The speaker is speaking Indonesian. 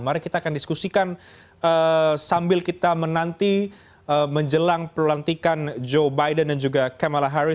mari kita akan diskusikan sambil kita menanti menjelang pelantikan joe biden dan juga kamala harris